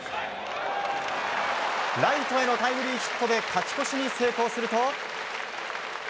ライトへのタイムリーヒットで勝ち越しに成功すると。